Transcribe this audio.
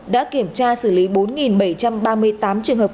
đã kiểm tra xử lý bốn bảy trăm ba mươi tám trường hợp